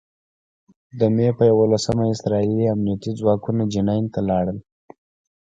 د مې په یوولسمه اسراييلي امنيتي ځواکونه جنین ته لاړل.